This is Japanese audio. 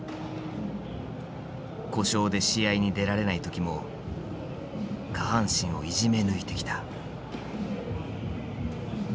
故障で試合に出られない時も下半身をいじめ抜いてきた。